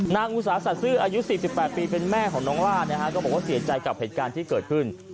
นางอุสาสาสืออายุสิบสิบแปดปีเป็นแม่ของน้องล่านะฮะก็บอกว่าเสียใจกับเหตุการณ์ที่เกิดขึ้น